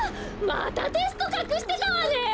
またテストかくしてたわね！